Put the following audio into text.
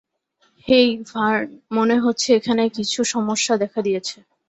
হেই, Vern, মনে হচ্ছে এখানে কিছু সমস্যা দেখা দিয়েছে।